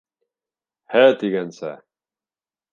Һә тигәнсә!